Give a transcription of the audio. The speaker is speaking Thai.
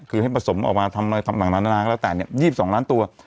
คือให้ผสมออกมาทำหนังแล้วแทนเนี่ย๒๒ล้านตัว